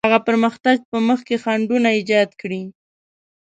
هغه پرمختګ په مخ کې خنډونه ایجاد کړي.